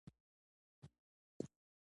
هرڅه چې و ډېر په زړه پورې ماحول و.